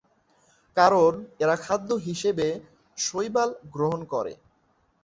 কারণ, এরা খাদ্য হিসেবে শৈবাল গ্রহণ করে।